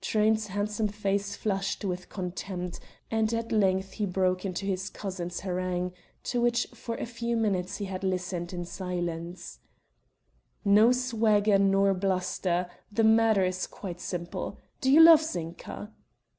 Truyn's handsome face flushed with contempt and at length he broke into his cousin's harangue, to which for a few minutes he had listened in silence: "No swagger nor bluster.... The matter is quiet simple: Do you love Zinka?"